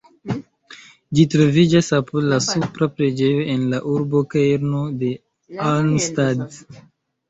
Ĝi troviĝas apud la Supra preĝejo en la urbokerno de Arnstadt.